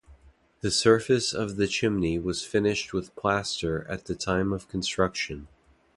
The surface of the chimney was finished with plaster at the time of construction.